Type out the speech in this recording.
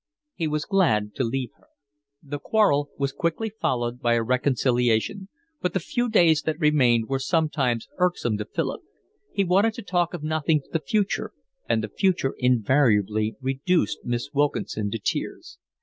He was glad to leave her. The quarrel was quickly followed by a reconciliation, but the few days that remained were sometimes irksome to Philip. He wanted to talk of nothing but the future, and the future invariably reduced Miss Wilkinson to tears.